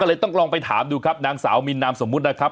เลยต้องลองไปถามดูครับนางสาวมินนามสมมุตินะครับ